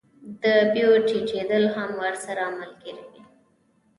د بیو ټیټېدل هم ورسره ملګري وي